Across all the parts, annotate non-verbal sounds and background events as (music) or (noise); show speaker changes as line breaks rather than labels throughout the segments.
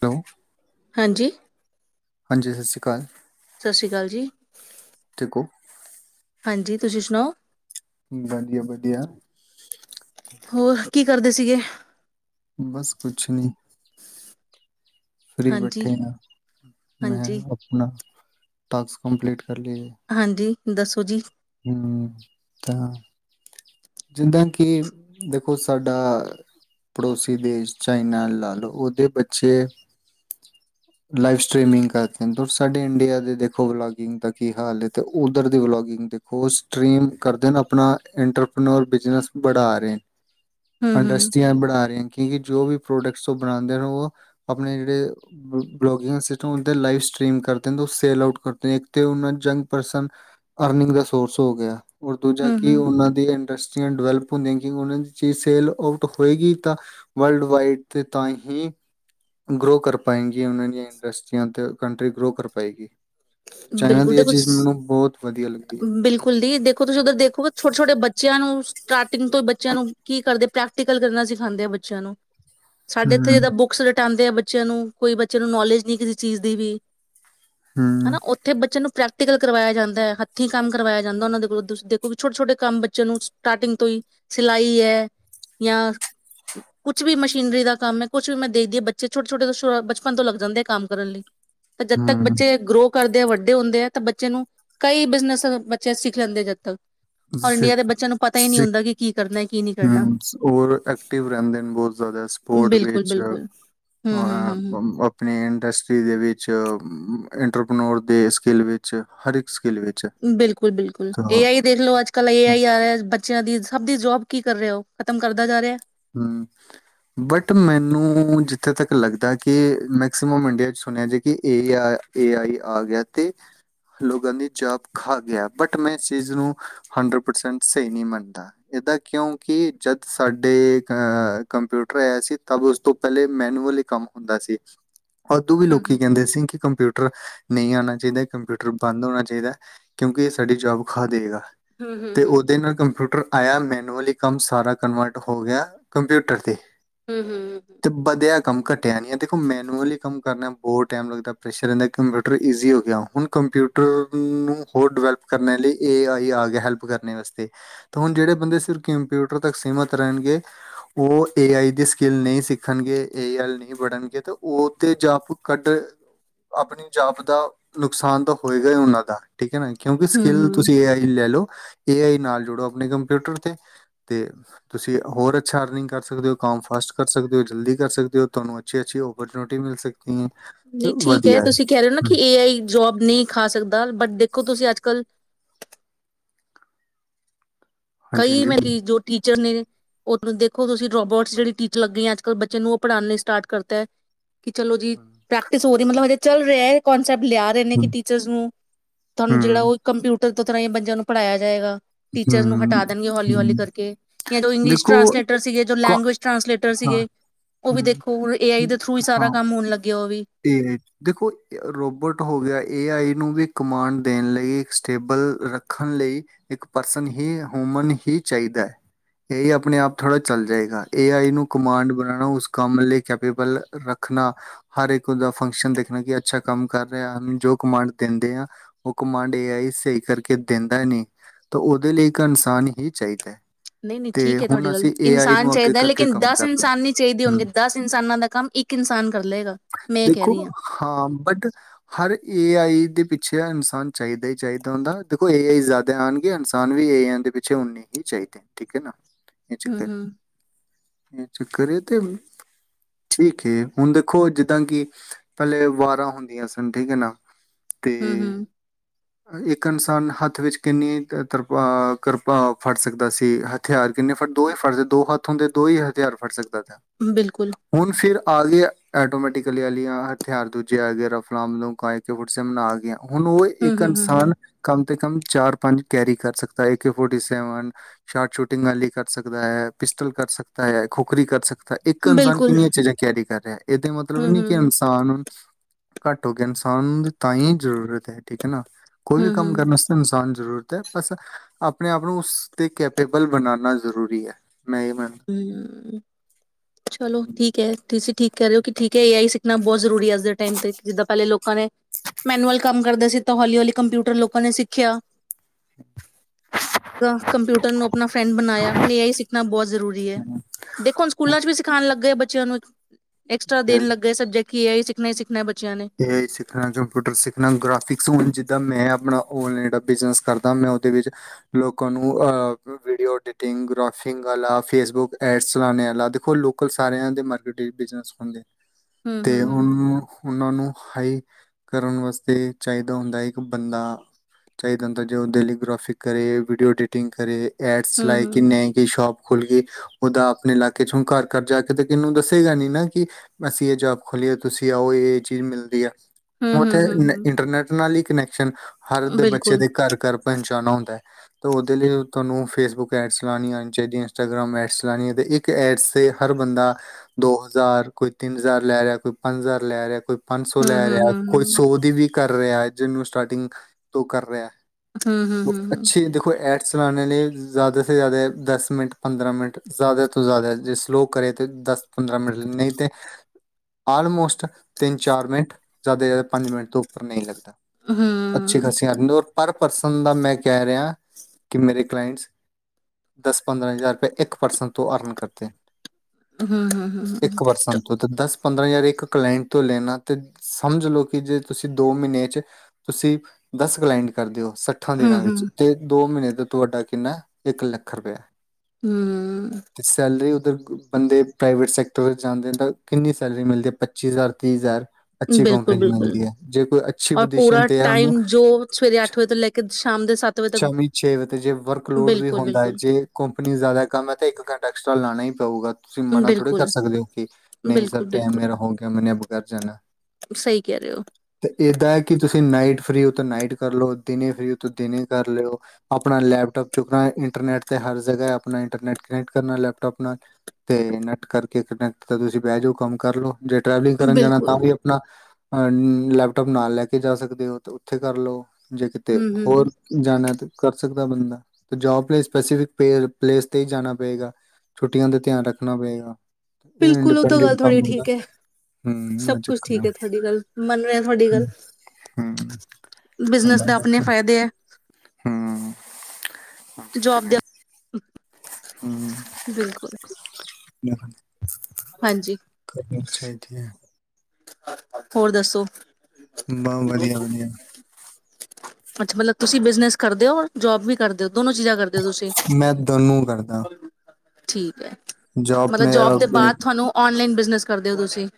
Hello
ਹਾਂਜੀ
ਹਾਂਜੀ ਸਤਿ ਸ਼੍ਰੀ ਅਕਾਲ
ਸਤਿ ਸ੍ਰੀ ਅਕਾਲ ਜੀ
ਠੀਕ ਹੋ
ਜੀ ਤੁਸੀਂ ਸੁਣਾਓ
ਵਧੀਆ ਵਧੀਆ
ਹੋਰ ਕੀ ਕਰਦੇ ਸੀਗੇ
ਬਸ ਕੁਛ ਨਹੀਂੀ ਫਰੀ
ਹਾਂਜੀ,
ਬੈਠੇ ਹਾਂ ਮੈਂ
ਹਾਂਜੀ,
ਆਪਣਾ ਟਾਸ ਕੰਪਲੀਟ ਕਰ ਲਏ
ਹਾਂਜੀ ਦੱਸੋ ਜੀ
ਹਮ ਤਾਂ ਜਿੱਦਾਂ ਕਿ ਦੇਖੋ ਸਾਡਾ ਪੜੋਸੀ ਦੇਸ਼ ਚਾਈਨਾ ਲਾ ਲਓ ਉਹਦੇ ਬੱਚੇ ਲਾਈਵ ਸਟਰੀਮਿੰਗ ਕਰਦੇ ਹਨ ਸਾਡੇ ਇੰਡੀਆ ਦੇ ਦੇਖੋ ਵਲੋਗਿੰਗ ਦਾ ਕੀ ਹਾਲ ਹੈ ਤੇ ਉਧਰ ਦੀ ਵਲੋਗਿੰਗ ਦੇ ਕੋ ਸਟ੍ਰਰੀਮ ਕਰਦੇ ਨੇ ਆਪਣਾ ਇੰਟਰਪ੍ਰਨਰ ਬਿਜਨਸ ਬੜਾ ਰਹੇ ਨੇ
ਹੂੰ, ਹੂੰ,
ਇੰਡਸਟਰੀਆ ਬੜਾ ਰਹੀ ਇਹ ਜੋ ਵਿ ਪ੍ਰੋਡਕਟਾਂ ਬਣਾਉਂਦੇ ਹਨ ਓਹ ਆਪਣੇ ਜਿਹੜੇ ਬਲਾਗਿੰਗ ਸਿਸਟਮ ਹੁੰਦੇ ਹਨ ਲਾਈਵ ਸਟਰੀਮ ਕਰਦੇ ਹਨ ਤੋਂ ਸਲੇ ਆਊਟ ਕਰਦੇ ਹਨ, ਏਕ ਤਹਿ ਉਹਨਾਂ ਨੂੰ ਯੰਗ ਪਰਸਨ ਐਰਨਿੰਗ ਸੋਰਸ ਹੋ ਗਿਆ ਦੂਜਾ
ਹੂੰ,
ਕੀ
ਹੂੰ,
ਉਹਨਾਂ ਦੀ ਇੰਡਸਟਰੀ ਡਿਵੈਲਪ ਹੁੰਦੀਆਂ ਕਿਕਿ ਉਹ ਦੀ ਚੀਜ਼ ਸੇਲ ਆਊਟ ਹੋਏਗੀ ਤਾਂ ਵਰਲਡ ਵਾਈਡ ਤਾਂ ਹੀ ਗਰੋ ਕਰ ਪਾਏਗੀ ਉਹ ਦੀ ਇੰਡਸਟਰੀਆਂ ਤੇ ਕੰਟਰੀ ਗਰੋ ਕਰ ਪਾਏਗੀ ਚਾਈਨਾ
ਬਿਲਕੁਲ
ਦੀ ਇਹ
ਦੇਖੋ
ਚੀਜ਼
ਸ-
ਮੈਨੂੰ ਬਹੁਤ ਵਧੀਆ ਵਦੀਆ ਲੱਗਦੀ ਹੈ
(inaudible) ਤੁਸੀਂ ਉਧਰ ਦੇਖੋ ਛੋਟੇ ਛਟੇ ਬੱਚੇ ਤੁਹਾਨੂੰ ਸਟਾਰਟਿੰਗ ਤੋਂ ਬੱਚਿਆਂ ਨੂੰ ਕੀ ਕਰਦੇ ਪ੍ਰੈਕਟੀਕਲ ਕਰਨਾ ਸਿਖਾਉਂਦੇ ਆ ਬੱਚਿਆਂ ਨੂੰ ਸਾਡੇ ਇੱਥ
ਹੂੰ
ਜਿੱਦਾਂ ਬੁਕਸ ਪੜ੍ਹਾਉਂਦੇ ਆ ਬੱਚਿਆਂ ਨੂੰ ਕੋਈ ਬੱਚਿਆਂ ਨੂੰ ਨੌਲੇਜ ਨਹੀਂ ਕਿਸੇ ਚੀਜ਼ ਦੀ ਵੀ
ਹੂੰ
ਹਨਾ ਉੱਥੇ ਬੱਚੇ ਨੂੰ ਪ੍ਰੈਕ (inaudible) ਕਰਵਾਆ ਜਾਂਦਾ ਹੈ ਇੱਥੇ ਕੰਮ ਕਰਵਾਇਆ ਜਾਂਦਾ ਉਹਨਾਂ ਦੇ ਕੋਲੋਂ ਤੁਸੀਂ ਦੇਖੋ ਕਿ ਛੋਟੇ ਛੋਟੇ ਕੰਮ ਬੱਚਿਆਂ ਨੂੰ ਸਟਾਰਟਿੰਗ ਤੋਂ ਹੀ ਸਿਲਾਈ ਹੈ ਜਾਂ ਕੁਛ ਵੀ ਮਸ਼ੀਨਰੀ ਦਾ ਕੰਮ ਹੈ ਕੁਛ ਵੀ ਮੈਂ ਦੇਖਦੀ ਆ ਬੱਚੇ ਛੋਟੇ ਛੋਟੇ ਤੋਂ ਬਚਪਨ ਤੋਂ ਲੱਗ ਜਾਂਦੇ ਆ ਕੰਮ ਕਰਨ ਲਈ ਤਾਂ ਜਦ ਤੱਕ ਬੱਚੇ ਗਰੋ ਕਰਦੇ ਆ ਵੱਡੇ ਹੁੰਦੇ ਆ ਤਾਂ ਬੱਚੇ ਨੂੰ ਕਈ ਬਿਜ਼ਨਸ ਬੱਚੇ ਸਿੱਖ ਲੈਂਦੇ ਜਦ ਤੱਕ
(inaudible)
ਔਰ ਇੰਡੀਆ ਦੇ ਬੱਚਿਆਂ ਨੂੰ ਪਤਾ ਹੀ ਨਹੀਂ ਹੁੰਦਾ ਕਿ ਕੀ ਕਰਨਾ ਕੀ ਨਹੀਂ
ਹਮ
ਕਰਨਾ
ਹੋਰ ਐਕਟਿਵ ਰਹਿੰਦੇ ਨੇ ਬਹੁਤ ਜ਼ਿਆਦਾ ਸਪੋਰਟ
ਬਿਲਕੁਲ
ਵਿੱਚ ਅ
ਬਿਲਕੁਲ ਹਮ ਹਮ ਹਮ
ਆਪਣੇ (inaudible) ਇੰਟਰਪ੍ਰੇਨੀਅਰ ਪੇ ਸਕੇਲ ਵਿਚ ਹਰ ਇਕ
ਬਿਲਕੁਲ ਬਿਲਕੁਲ ਏ ਆਈ ਚਲੋ ਅੱਜ ਕੱਲ ਏ ਆਈ ਆਇਆ ਬ ਬੱਚਿਆਂ ਦੀ ਸਭ ਦੀ ਜੋਬ ਕੀ ਕਰ ਰਿਹਾ ਉਹ ਖਤਮ ਕਰਦਾ ਜਾ ਰਿਹਾ
ਹ ਬਟ ਮੈਨੂੰ ਜਿੱਥੇ ਤੱਕ ਲੱਗਦਾ ਕਿ ਮੈਕਸੀਮਮ ਇੰਡੀਆ ਚ ਸੁਣਿਆ ਜੇ ਕਿ ਏ ਆਈ ਆ ਗਿਆ ਤੇ ਲੋਕਾਂ ਦੀ ਜੋਬ ਖਾ ਗਿਆ ਬਟ ਮੈਂ ਇਸ ਚੀਜ਼ ਨੂੰ ਹੰਡਰਡ ਪਰਸੈਂਟ ਸਹੀ ਨਹੀਂ ਮੰਨਦਾ ਕਿਉਂਕਿ ਜਦ ਸਾਡੇ ਅ ਕੰਪਿਊਟਰ ਆਇਆ ਸੀ ਤ ਉਸ ਤੋਂ ਪਹਿਲੇ ਮੈਨੂਅਲ ਹੀ ਕੰਮ ਹੁੰਦਾ ਸੀ ਉਦੋਂ ਵੀ ਲੋਕੀ
ਹਮ
ਕਹਿੰਦੇ ਸੀ ਕਿ ਕੰਪਿਊਟਰ ਨਹੀਂ ਆਉਣਾ ਚਾਹੀਦਾ ਕੰਪਿਊਟਰ ਬੰਦ ਹੋਣਾ ਚਾਹੀਦਾ ਕਿਉਂਕਿ ਇਹ ਸਾਡੀ ਜੋਬ ਖਾ ਦੇਵੇਗਾ
ਹਮ ਹਮ
ਤੇ
ਹਮ
ਉਹਦੇ ਨਾਲ ਕੰਪਿਊ ਪਰ ਆਇਆ ਮੈਨੂਅਲੀ ਕੰਮ ਸਾਰਾ ਕਨਵਰਟ ਹੋ ਗਿਆ ਕੰਪਿਊਟਰ ਤੇ
ਹੂੰ ਹੂੰ ਹੂੰ
ਤੇ ਵਧਿਆ ਕੰਮ ਘੱਟਿਆ ਨਹੀਂ ਹੈ ਦੇਖੋ ਮੈਨੂਅਲੀ ਕੰਮ ਕਰਨਾ ਬਹੁਤ ਟਾਈਮ ਲੱਗਦਾ ਪ੍ਰੈਸ਼ਰ ਰਹਿੰਦਾ ਕੰਪਿਊਟਰ ਈਜ਼ੀ ਹੋ ਗਿਆ ਹੁਣ ਕੰਪਿਊਟਰ ਨੂੰ ਹੋਰ ਡਿਵੈਲਪ ਕਰਨ ਲਈ ਏ ਆਈ ਆ ਗਿਆ ਹੈਲਪ ਕਰਨ ਵਾਸਤੇ ਤਾਂ ਹੁਣ ਜਿਹੜੇ ਬੰਦੇ ਸਿਰਫ ਕੰਪਿਊਟਰ ਤੱਕ ਸੀਮਿਤ ਰਹਿਣਗੇ ਉਹ ਏ ਆਈ ਦੀ ਸਕਿੱਲ ਨਹੀਂ ਸਿੱਖਣਗੇ ਏ ਐੱਲ ਨਹੀਂ ਬਣਨਗੇ ਤੇ ਉਹ ਤੇ ਜੋਬ ਕੱਢ ਆਪਣੀ ਜੋਬ ਦਾ ਨੁਕਸਾਨ ਤਾਂ ਹੋਏਗਾ ਹੀ ਉਹਨਾਂ ਦਾ ਠੀਕ ਹੈ ਨਾ ਕਿਉਂਕਿ
ਹਮ
ਸਕਿੱਲ
ਹਮ
ਤੁਸੀਂ ਇਹ ਹੀ ਲੈ ਲਓ ਏ ਆਈ ਨਾਲ ਜੁੜੋ ਆਪਣੇ ਕੰਪਿਊਟਰ ਤੇ ਤੇ ਤੁਸੀਂ ਹੋਰ ਅੱਛਾ ਅਰਨਿੰਗ ਕਰ ਸਕਦੇ ਹੋ ਕਮ ਫਾਸਟ ਕਰ ਸਕਦੇ ਹੋ ਜਲਦੀ ਕਰ ਸਕਦੇ ਹੋ ਤੁਹਾਨੂੰ ਅੱਛੀ ਅੱਛੀ ਓਪਰਚੁਨਿਟੀ ਮਿਲ ਸਕਦੀ ਹੈ ਤੇ
ਨਹੀਂ ਠੀਕ
ਵਧੀਆ
ਹੈ ਤੁਸੀਂ ਕਹਿ ਰਹੇ ਹੋ ਨਾ ਕਿ ਏ ਆਈ ਜੋਬ ਨਹੀਂ ਖਾ ਸਕਦਾ ਬਟ ਦੇਖੋ ਤੁਸੀਂ ਅੱਜ ਕੱਲ
ਹਾਂਜੀ
ਕਈ ਮੈਂ
ਹਾਂਜੀ
ਕਿ ਜੋ ਟੀਚਰ ਨੇ ਉਦ ਦੇਖੋ ਤੁਸੀਂ ਰੋਬੋਟਸ ਜਿਹੜੀ ਟੀਚਰ ਲੱਗੇ ਅੱਜ ਕਲ ਬੱਚਿਆ ਨੂੰ ਉਹ ਪੜ੍ਹਾਉਣਾ ਸਟਾਰਟ ਕਰਤਾ ਹੈ ਕਿ ਚਲੋ ਜੀ
ਹਮ
ਪ੍ਰੈਕਟਿਸ ਹੋ ਰਹੀ ਮਤਲਬ ਹਜੇ ਚੱਲ ਰਿਹਾ ਹੈ ਕੌਣ ਸਬ ਲਿਆ ਰਹੇ ਨੇ ਕਿ ਟੀਚਰ ਨੂੰ ਤੁਹਾਨੂੰ ਜਿਹੜਾ
ਹਮ
ਉਹ ਕੰਪਿਊਟਰ ਤੋਂ ਤਰ੍ਹਾਂ ਦੀਆਂ ਬੱਚਿਆਂ ਨੂੰ ਪੜ੍ਹਾਇਆ ਜਾਏਗਾ। ਟੀਚਰ ਨੂੰ ਹਟ ਟਾ ਦੇਣਗੇ ਹੌਲੀ- ਹੌਲੀ
ਹਮ
ਕਰਕੇ ਜਾਂ ਜੋ ਇੰਗਲਿਸ਼
ਦੇਖੋ
ਟਰਾਂਸਲੇਟਰ ਸੀਗੇ ਜੋ
ਕ
ਲੈਂਗੁਏਜ ਟਰਾਂਸਲੇਟਰ
ਹਾਂ
ਸੀਗੇ ਉਹ ਵੀ
ਹਮ,
ਦੇਖੋ ਏ ਆਈ ਦੇ ਥਰੂ ਹੀ ਸਾਰਾ
ਹਾਂ
ਕੰਮ ਹੋਣ ਲੱਗਿਆ ਉਹ ਵੀ
ਦੇਖੋ ਰੋਬੋਟ ਹੋ ਗਿਆ ਏ ਆਈ ਨੂੰ ਵੀ ਕਮਾਂਡ ਦੇਣ ਲਈ ਸਟੇਬਲ ਰੱਖਣ ਲਈ ਇੱਕ ਪਰਸਨ ਹੀ ਹੂਮਨ ਹੀ ਚਾਹੀਦਾ ਹੈ, ਇਹ ਆਪਣੇ ਆਪ ਥੋੜ੍ਹਾ ਚੱਲ ਜਾਏਗਾ ਏ ਆਈ ਨੂੰ ਕਮਾਂਡ ਬਣਾਣਾ ਉਸ ਕੰਮ ਲਈ ਕੈਪੇਬਲ ਰੱਖਣਾ ਹਰ ਇੱਕ ਉਹਦਾ ਫੰਕਸ਼ਨ ਦੇਖਣਾ ਕਿ ਅੱਛਾ ਕੰਮ ਕਰ ਰਿਹਾ ਜੋ ਕਮਾਂਡ ਦਿੰਦੇ ਆ ਉਹ ਕਮਾਂਡ ਏ ਆਈ ਸਹੀ ਕਰਕੇ ਦਿੰਦਾ ਨਹੀਂ ਤਾਂ ਉਹਦੇ ਲਈ ਇੱਕ ਇਨਸਾਨ ਹੀ ਚਾਹੀਦਾ।
ਨਹੀਂ- ਨਹੀਂ
ਤੇ
ਠੀਕ ਹੈ
ਹੁਣ
ਤੁਹਾਡੀ ਗੱਲ
ਅਸੀਂ ਏਆਈ
ਇਨਸਾਨ
ਨੂੰ ਅੱਗੇ
ਚਾਹੀਦਾ
ਕਰਕੇ
ਲੇਕਿਨ
ਕੰਮ
ਦਸ
ਕਰ ਰਹੇ
ਇਨਸਾਨ ਨੀ ਚਾਹੀਦੇ
ਹਾਂ
ਹੋਣਗੇ, ਦਸ ਇਨਸਾਨਾਂ ਦਾ ਕੰਮ ਇੱਕ ਇਨਸਾਨ ਕਰ ਲੈ
ਦੇਖੋ ਹਾਂ ਬਟ ਹਰ ਏ ਆਈ ਦੇ ਪਿੱ ਪਿੱਛੇ ਆ ਇਨਸਾਨ ਚਾਹੀਦਾ ਹੀ ਚਾਹੀਦਾ ਹੁੰਦਾ ਦੇਖੋ ਏ ਆ ਜ਼ਿਆਦਾ ਆਣਗੇ ਇਨਸਾਨ ਵੀ ਏ ਆਈ ਦੇ ਪਿੱਛੇ ਉਨੇ ਹੀ ਚਾਹੀਦੇ ਨੇ ਠੀਕ ਹੈ ਨਾ। ਇਹ
ਹੂੰ-
ਚੱਕਰ
ਹੂੰ।
ਇਹ ਚੱਕਰ ਹੈ ਤੇ ਠੀਕ ਏ ਹੁਣ ਦੇ ਦੇਖੋ ਜਿੱਦਾਂ ਕਿ ਪਹਿਲੇ ਵਾਰਾਂ ਹੁੰਦੀਆਂ ਸਨ ਠੀਕ ਹੈ ਨਾ ਤੇ
ਹਮ ਹਮ
ਇੱਕ ਇਨਸਾਨ ਹੱਥ ਵਿੱਚ ਕਿੰਨੀ ਰਪਾ ਕਿਰਪਾ ਫੜ ਸਕਦਾ ਸੀ ਹਥਿਆਰ ਕਿੰਨੇ ਫੜ ਦੋ ਹੀ ਫੜਦੇ ਦੋ ਹੱਥ ਹੁੰਦੇ ਦੋ ਹੀ ਹਥਿਆਰ ਫੜ ਸਕਦੇ।
ਬਿਲਕੁਲ,
ਹੁਣ ਫਿਰ ਆ ਗਿਆ ਐਟੋਮੈਟਿਕਲੀ ਵਾਲੀਆਂ ਹਥਿਆਰ ਦੂਜੇ ਆ ਗਏ ਰਫਲਾਂ ਮਤਲਬ ਕਹਿ ਕੇ ਫੁੜਸ ਮਨਾ ਗੀਆਂ। ਹੁਣ ਉਹ
ਹੂੰ,
ਇੱਕ
ਹੂੰ, ਹੂੰ,
ਇਨਸਾਨ ਕੰਮ ਕੰਮ ਚਾਰ ਪੰਜ ਕੈਰੀ ਕਰ ਸਕਦਾ ਏ ਫੋਰਟੀ ਸੇਵਨ ਸ਼ਾਰਟ ਸ਼ੂਟਿੰਗ ਵਾਲੀ ਕਰ ਸਕਦਾ ਹੈ, ਪਿਸਟਲ ਕਰ ਸਕਤਾ ਹੈ ਖੋਖਰੀ ਕਰ ਸਕਦਾ ਤਾਂ ਇੱਕ
ਹੂੰ,
ਇਨਸਾਨ
ਬਿਲਕੁਲ,
ਕਿੰਨੀਆਂ ਚੀਜ਼ਾ ਕੈਰੀ ਕਰ ਰਿਹਾ ਹੈ ਇਹਦੇ
ਹੂੰ,
ਮਤਲਬ ਨੀ ਕਿ
ਹੂੰ,
ਇਨਸਾਨ ਘੱਟ ਹੋ ਕੇ ਇਨਸਾਨ ਦੀ ਤਾਂ ਹੀ ਜ਼ਰੂਰਤ ਹੈ, ਠੀਕ ਹੈ ਨਾ ਕੋਈ ਵੀ
ਹੂੰ,
ਕੰਮ
ਹੂੰ,
ਕਰਨ ਵਾਸਤੇ ਇਨਸਾਨ ਜ਼ਰੂਰ ਬਸ ਆਪਣੇ ਆਪ ਨੂੰ ਉਸ ਤੇ ਕੈਪੇਬਲ ਬਣਾਣਾ ਜ਼ਰੂਰੀ ਹੈ। ਮੈਂ ਇਹ
ਹੂੰ, ਚਲੋ ਠੀਕ ਹੈ ਤੁਸੀਂ ਠੀਕ ਕਹਿ ਰਿਓ ਕਿ ਠੀਕ ਏ ਆਈ ਸਿੱਖਣਾ ਬਹੁਤ ਜ਼ਰੂਰੀ ਅੱਜ ਟੈਮ ਤੇ ਜਿੱਦਾਂ ਪਹਿਲੇ ਲੋਕ ਲੋਕਾਂ ਨੇ ਮੈਨੂਅਲ ਕੰਮ ਕਰਦੇ ਸੀ ਤਾਂ ਹੌਲੀ- ਹੌਲੀ ਕੰਪਿਊਟਰ ਲੋਕਾਂ ਨੇ ਸਿੱਖਿਆ ਤਾਂ ਕੰਪਿਊਟਰ ਨੂੰ ਆਪਣਾ ਫਰੈਂਡ ਬਣਾਇਆ, ਹੁਣ ਇਹੀ ਸਿੱਖਣਾ ਬਹੁਤ ਜ਼ਰੂਰੀ ਹੁੰਦੀ ਐ
ਮੰਨਦਾ
ਦੇਖੋ ਹੁਣ ਸਕੂਲਾਂ ਚ ਵੀ ਸਿਖਾਉਣ ਲੱਗ ਗਏ ਬੱ ਚਿਆਂ ਨੂੰ ਐਕਸਟਰਾ ਦੇਣ ਲੱਗ ਗਏ ਸਬਜੈਕਟ ਕੀ ਇਹ ਈ ਸਿਖਣਾ ਹੀ ਸਿਖਣਾ ਬੱਚ
ਇਹ ਸਿੱਖਣਾ ਕੰਪਿਊਟਰ ਸਿੱਖਣਾ ਗ੍ਰਾਫਿਕਸ ਹੋਣ ਜੇ ਜਿੱਦਾਂ ਮੈਂ ਆਪਣਾ ਔਨਲਾਈਨ ਜਿਹੜਾ ਬਿਜ਼ਨਸ ਕਰਦਾ ਮੈਂ ਉਹਦੇ ਵਿੱਚ ਲੋਕਾਂ ਨੂੰ ਵੀਡੀਓ ਐਡੀਟਿੰਗ, ਗ੍ਰਾਫਿੰਗ ਵਾਲਾ, ਫੇਸਬੁੱਕ ਐਡਸ ਚਲਾਉਣੇ ਵਾਲਾ, ਦੇਖੋ ਲੋਕਲ ਸਾਰਿਆਂ ਦੇ ਮਾਰਕੀਟ ਵਿੱਚ ਬਿਜਨਸ ਹੁੰਦੇ।
ਹਮ
ਤੇ
-ਹਮ- ਹਮ।
ਉਹਨੂੰ ਉਹਨਾਂ ਨੂੰ ਹਾਈ ਕਰਨ ਵਾਸਤੇ ਚਾਹੀਦਾ ਹੁੰਦਾ ਹੈ। ਇੱਕ ਬੰਦਾ ਚਾਹੀਦਾ ਹੁੰਦਾ। ਜੇ ਉਹ ਡੈਲੀਗ੍ਰਾਫਿਕ ਕਰੇ, ਵੀਡੀਓ ਐਡੀਟਿੰਗ ਕਰੇ। ਐਡਸ
ਹੂੰ,
ਲਏ ਕੇ
ਹੂੰ,
ਏਨੇ ਸ਼ੋਪ ਖੁਲ ਕੇ ਓਦਦਾ ਆਪਣੇ ਇਲਾਕੇ ਚ ਚੀਜ਼ ਮਿਲਦੀ ਹੈ।
ਹੂੰ, ਹੂੰ,
ਉੱਥੇ
ਹੂੰ,
ਇੰਟਰਨੈੱਟ ਨਾਲ ਹੀ ਕਨੈਕਸ਼ਨ ਹਰ
ਹੂੰ,
ਦੇ ਬੱਚੇ
ਬਿਲਕੁਲ,
ਦੇ ਘਰ- ਘਰ ਪਹੁੰਚ (unintelligible) ਪੰਜ ਸੌ
ਹੂੰ,
ਲੈ
ਹੂੰ,
ਰਿਹਾ।
ਹੂੰ,
ਕੋਈ
ਹੂੰ,
ਸੋ ਦੀ ਵੀ ਕਰ ਰਿਹਾ। ਜਿਹਨੂੰ ਸਟਾਰਟਿੰਗ ਤੋਂ ਕਰ ਰਿਹਾ।
ਹੂੰ, ਹੂੰ, ਹੂੰ,
ਅੱਛੇ। ਦੇਖੋ ਐ ਚਲਾਣੇ ਲਈ ਜਾਦਾ ਤੋਂ ਜ਼ਦਾ ਦਸ ਮਿੰਟ ਪੰਦਰਾਂ ਮਿੰਟ ਜ਼ਦਾ ਤੋਂ ਜਾਦਾ ਸਲੋਅ ਕਰੇ ਤਾਂ ਦਸ ਪੰਦਰਾਂ ਮਿੰਟ ਨਹੀਂ ਤੇ ਆਲਮੋਸਟ ਤਿੰਨ- ਚਾਰ ਮਿੰਟ ਜਿਆਦਾ- ਜਿਆਦਾ ਪੰਜ ਮਿੰਟ ਤੋਂ ਉਪਰ ਨਹੀਂ ਲਗ
ਹੂੰ, ਹੂੰ,
ਅੱਛੀ ਖਸੀਆਂ ਆ (unintelligible) ਪਰ ਪਰਸਨ ਦਾ ਮੈਂ ਕਹਿ ਰਿਹਾ। ਕਿ ਮੇਰੇ ਕਲਾਇੰਟਸ ਦਸ- ਪੰਦਰਾਂ ਹਜ਼ਾਰ ਰੁਪਏ ਇੱਕ ਪਰਸਨ ਤੋਂ ਅਰਨ ਕਰਦੇ
ਹੂੰ-ਹੂੰ-ਹੂੰ-ਹੂੰ ਚ
ਪੰਦਰਾਂ ਹਜ਼ਾਰ ਇੱਕ ਕਲਾਇੰ ਤੋਂ ਲੈਣਾ ਅਤੇ ਸਮਝ ਲਓ। ਕਿ ਜੇ ਤੁਸੀਂ ਦੋ ਮਹੀਨੇ 'ਚ ਤੁਸੀਂ ਦਸ ਕਲਾਇੰਟ ਕਰਦੇ। ਓ ਸੱਠਾਂ ਦਿਨਾਂ ਵਿੱਚ ਤੇ, ਦੋ ਮਹੀਨੇ ਤੁਹਾਡਾ ਕਿੰਨਾ, ਇੱਕ ਲੱਖ ਰੁਪਇਆ। ਤੇ ਸੈਲਰੀ ਅ ਬੰਦੇ ਪ੍ਰਾਈਵੇਟ ਸੈਕਟਰ ਵਿੱਚਜਾਂਦੇ ਤਾਂ ਕਿੰਨੀ ਸੈਲਰੀ ਮਿਲਦੀ। ਪੱਚੀ ਹਜ਼ਾਰ ਤੀਹ ਹਜ਼ਾਰ ਅੱਛੀ ਕੰਪਨੀ ਨੂੰ ਮਿਲਦੀ ਹੈ। ਜੇ ਕੋਈ ਅੱਛੀ ਪੁਜੀਸ਼ਨ ਤੇ ਹੈ ਉਹਨੂੰ ਛ-
ਤੋਂ ਲੈ ਕੇ ਸ਼ਾਮ ਦੇ ਵਜੇ ਤੱਕ
ਛਮੀ ਛੇ ਵੇ ਜੇ ਵਰਕਲੋਡ ਵੀ
ਬਿਲਕੁਲ,
ਹੁੰਦਾ ਹੈ।
ਬਿਲਕੁਲ।
ਜੇ ਕੰਪਨੀ ਜ਼ਿਆਦਾ ਕੰਮ ਹੈ ਤੇ ਇੱਕ ਘੰਟਾ ਐਕਸਟਰਾ ਲਾਣਾ ਈ ਪਊਗਾ। ਤੁਸੀਂ ਮਨਾ ਥੋੜ੍ਹੇ
ਬਿਲਕੁਲ,
ਕਰ ਸਕਦੇ ਓ ਕਿ ਨਹੀਂ ਸਰ
ਬਿਲਕੁਲ,
ਟੈਮ
ਬਿਲਕੁਲ
ਮੇਰਾ ਹੋ ਗਿਆ। ਮੈਨੇ ਅਬ ਹਨਾ
ਸਹੀ ਕਹਿ ਰਹੇ ਹੋ।
ਤੇ ਏਦਾਂ ਏ ਕਿ ਤੁਸੀਂ ਨਾਈਟ ਫਰੀ ਉ ਤੋਂ ਨਾਈਟ ਕਰ ਲਓ। ਦਿਨ ਫ੍ਰਰੀ ਤੋਂ ਦਿਨ ਕਰ ਲਓ। ਆਪਣਾ ਲੈਪਟੋਪ ਚੁੱਕਣਾ ਇੰਟਰਨੈਟ ਤੇ ਹਰ ਜਗ੍ਹਾ ਆਪਣਾ ਇੰਟਰਨੈਟ ਕਨੈਕਟ ਕਰਨਾ ਲੈਪਟੋਪ ਨਾਲ ਤੇ ਨੈੱਟ ਕਰਕੇ ਕਨੈਕਟ ਤਾਂ ਤੁਸੀਂ ਬਹਿ ਜਾਓ ਕੰਮ ਕਰ ਲਓ। ਕਰਨ ਜਾਣਾ
ਬਿਲਕੁਲ,
ਤਾਂ ਵੀ ਆਪਣਾ ਅ ਲੈਪਟੋਪ ਨਾਲ ਲੈ ਕੇ ਜਾ ਸਕਦੇ ਹਓ ਤਾਂ ਉੱਥੇ ਕਰ ਲਓ। ਜੇ ਕਿਤੇ
ਹੁੰ, ਹੁੰ।
ਹੋਰ ਜਾਣਾ ਤੇ ਕਰ ਸਕਦਾ ਬੰਦਾ ਤੇ, ਜੋਬ ਲਈ ਸਪੈਸੀਫਿਕ ਪੇਜ ਪਲੇਸ ਤੇ ਹੀ ਜਾਣਾ ਪਏਗਾ। ਛੁੱਟੀਆਂ ਤੇ ਧਿਆਨ ਰੱਖਣਾ ਪਏਗਾ। ਇਹ
ਬਿਲਕੁਲ ਉਹ ਤੋਂ ਗੱਲ
ਇੰਡੀਪੈਂਡੈਂਟ
ਥੋੜ੍ਹੀ
ਕੰਮ ਹੁੰਦਾ
ਠੀਕ ਐ।
ਹੂੰ
ਸਭ
ਇਹ
ਕੁੱਛ
ਚੱਕਰ ਹੈ
ਠੀਕ ਐ ਤੁਹਾਡੀ ਗੱਲ ਮੰਨ ਰੇ ਆ ਤੁਹਾਡੀ
ਹੂੰ
ਗੱਲ
ਹੂੰ
ਬਿਜਨਸ ਦਾ ਆਪਣੇ
ਬੰਦਾ
ਫਾਇਦੇ ਐ (unintelligible)
ਹੂੰ
ਜੋਬ ਦੇ
ਹੂੰ।
ਬਿਲਕੁਲ,
(unintelligible)
ਹਾਂਜੀ।
ਕਰਨੀ ਚਾਹੀਦੀ ਐ।
ਹੋਰ ਦੱਸੋ।
ਬ ਵਧੀਆ-ਵਧੀਆ।
ਅੱਛਾ, ਮਤਲਬ ਤੁਸੀਂ ਬਿਜਨਸ ਕਰਦੇ ਓ? ਜੋਬ ਵੀ ਕਰਦੇ ਓ?
ਮੈਂ ਦੋਨੋ ਕਰਦਾ।
ਠੀਕ ਹੈ। ਮਤਲਬ, ਜੋਬ ਦੇ ਬਾਅਦ, ਤੁਹਾਨੂੰ ਓਨਲਾਈਨ ਬ ਬਿਜਨਸ ਕਰਦੇ ਹੋ ਤੁਸੀਂ?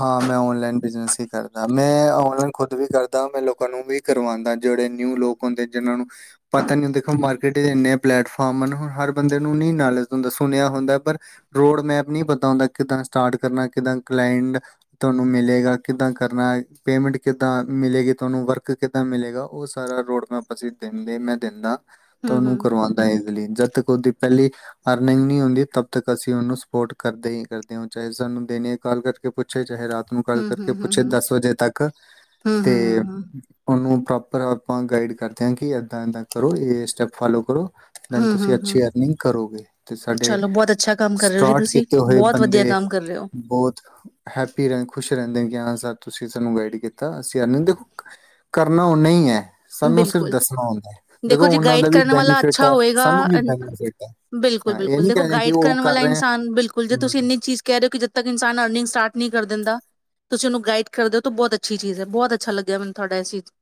ਹਾਂ ਮੈਂ ਓਨਲਾਈਨ ਬਿਜਨਸ ਹੀ ਕਰਦਾ, ਮੈਂ ਓਨਲਾਈਨ ਖੁਦ ਵੀ ਕਰਦਾ ਮੈਂ ਲੋਕਾਂ ਨੂੰ ਵੀ ਕਰਵਾਉਦਾ। ਜਿਹੜੇ ਨਿਊ ਲੋਕ ਹੁੰਦੇ ਜਿਨਾਂ ਨੂੰ ਪਤਾ ਨੀ ਹੁੰਖ ਮਾਰਕੀਟ ਦੇ ਇੰਨੇ ਪਲੇੈਟਫਾਰਮ ਹੁਣ ਹਰ ਬੰਦੇ ਨੂੰ ਨਹੀਂ ਨਜ ਹੁੰਦਾ, ਸੁਣਿਆ ਹੁੰਦਾ ਪਰ ਰੋਡ ਮੈਪ ਨ ਪਤਾ ਹੁੰਦਾ ਕਿੱਦਾਂ ਸਟਾਰਟ ਕਰਨਾ ਕਿੱਦਾਂ ਕਲਾਟ ਤੁਹਾਨੂੰ ਮਿਲੇਗਾ, ਕਿੱਦਾਂ ਕਰਨਾ, ਪੇਮੈਂਟ ਕਿੱਦਾਂ ਮਿਲੇਗੀ, ਤੁਹਾਨੂੰ ਵਰਕ ਕਿੱਦਾਂ ਮਿਲੇਗਾ, ਉਹ ਸਾਰਾ ਰੋਡਮੈਪ ਅਸੀਂ ਦਿੰਦੇ। ਮੈਂ ਦਿੰਦਾ। ਤਾਂ
ਹੁੰ, ਹੁੰ।
ਉਹਨੂੰ ਕਰਵਾਉਂਦਾ ਹੈ ਗਲੀਨ (inaudible) ਜਦ ਤਕ ਦੀ ਪਹਿਲੀ ਅਰਨਿੰਗ ਨ ਹੁੰਦੀ, ਤਬ ਤਕ ਅਸੀ ਓਨੂੰ ਸਪੋਰਟ ਕਰਦੇ ਹੀ ਕਰਦੇ ਹਾ, ਚਾਹੇ ਸਾਨੂੰ ਪੁੱਛੇ ਚਾਹੇ ਰਾ (inaudible) ਆਪ ਨੂੰ ਗੱਲ
ਹੂੰ,
ਕਰਕੇ
ਹੂੰ, ਹੂੰ,
ਪੁੱਛੇ,
ਹੂੰ।
ਦਸ ਵਜੇ ਤੱਕ
ਹੂੰ, ਹੂੰ,
ਤੇ
ਹੂੰ,
ਉਹਨੂੰ ਪ੍ਰੋਪਰ ਆਪਾਂ ਗਾਈਡ ਕਰਦੇ ਹਾਂ, ਕਿ ਇੱਦਾਂ ਇੱਦਾਂ ਕਰੋ ਇਹ ਸਟੈਪ ਫੋਲੋ ਕਰੋ। ਦੈਨ
ਹੂੰ,
ਤੁਸੀਂ
ਹੂੰ, ਹੂੰ।
ਅੱਛੀ ਅਰਨਿੰਗ ਕਰੋਗੇ, ਤੇ ਸਾਡੇ
ਚਲੋ ਬਹੁਤ ਅੱਛਾ ਕੰਮ ਕਰ ਰਹੇ ਹੋ ਜੀ
ਸਟਾਰਟ
ਤੁਸੀਂ,
ਕੀਤੇ ਹੋਏ
ਬਹੁਤ ਵਧੀਆ
ਬੰਦੇ
ਕੰਮ ਕਰ ਰਹੇ ਹੋ।
ਬਹੁਤ ਹੈਪੀ ਰਿੰਗ, ਖੁਸ਼ ਰਹਿੰਦੇ, ਕਿ ਹਾਂ -ਸਰ ਤੁਸੀਂ ਸਾਨੂੰ ਗਾਈਡ ਕੀਤਾ ਅਸੀਂ ਅਰਨਿੰਗ ਦੇਖੋ ਕਰਨਾ ਉਹਨੇਹੀਂ ਹੀ ਹੈ। ਸਾਨੂੰ ਸਿਰਫ
ਬਿਲਕੁਲ,
ਦੱਸਣਾ ਹੁੰਦਾ ਹੈ
ਦੇਖੋ ਜੀ
ਉਹਨਾਂ ਦਾ
ਗਾਈਡ
ਵੀ
ਕਰਨ ਵਾਲਾ
ਬੈਨੀਫਿਟ
ਅੱਛਾ
ਹੈ
ਹੋਏਗਾ।
ਸਾਨੂੰ ਵੀ ਬੈਨੀਫਿਟ ਹੈ
ਬਿਲਕੁਲ
ਹਾਂ ਇਹ
ਬਿਲਕੁਲ
ਨਹੀਂ
ਦੇਖੋ
ਕਹਿੰਦੇ ਕਿ
ਗਾਈਡ
ਉਹ
ਕਰਨ
ਕਰ
ਵਾਲਾ
ਰਹੇ ਹੈ
ਇਨਸਾਨ ਬਿਲਕੁਲ ਜੇ ਤੁਸੀਂ ਇੰਨੀ ਚੀਜ਼ ਕਹਿ ਰਹੇ ਹੋ ਕਿ, ਜਦ ਤੱਕ ਇਨਸਾਨ ਅਰਨਿੰਗ ਸਟਾਰਟ ਨਹੀਂ ਕਰ ਦਿੰਦਾ, ਤੁਸੀਂ ਉਹਨੂੰ ਗਾਈਡ ਕਰਦੇ ਹੋ ਤਾਂ ਬਹੁਤ ਅੱਛੀ ਚੀਜ਼ ਹੈ, ਬਹੁਤ ਅੱਛਾ ਲੱਗਿਆ ਮੈਨੂੰ ਤੁਹਾਡਾ ਇਹ ਚੀਜ਼।